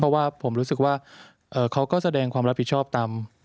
เพราะว่าผมรู้สึกว่าเขาก็แสดงความรับผิดชอบตาม